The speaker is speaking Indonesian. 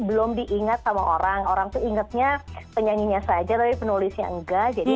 belum diingat sama orang orang tuh ingetnya penyanyinya saja tapi penulisnya enggak jadi